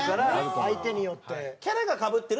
相手によって。